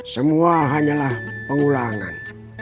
semua hanyalah pengulangan